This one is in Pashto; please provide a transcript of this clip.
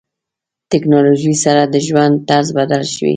ټکنالوژي سره د ژوند طرز بدل شوی.